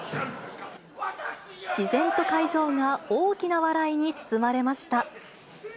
自然と会場が大きな笑いに包まれました。